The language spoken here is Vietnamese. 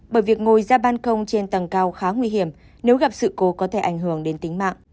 bởi việc ngồi ra ban công trên tầng cao khá nguy hiểm nếu gặp sự cố có thể ảnh hưởng đến tính mạng